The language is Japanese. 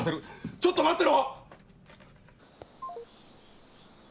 ちょっと待ってろ！